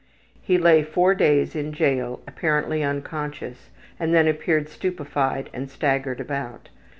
He lay four days in jail apparently unconscious and then appeared stupefied and staggered about.